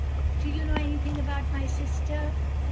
"Do you know anything about my sister?"